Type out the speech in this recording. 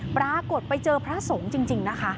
ปรากฏไปเจอพระสงฆ์จริงนะคะ